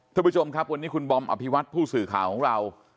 ท่านผู้ชมครับวันนี้คุณบอมอภิวัตผู้สื่อข่าวของเรา